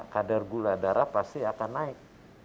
kadar gula darah pasti akan naik